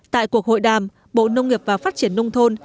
tại cuộc hội đàm bộ nông nghiệp và phát triển nông thôn